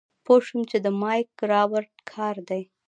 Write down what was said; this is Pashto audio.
پوه شوم چې د مايک رابرټ کار دی.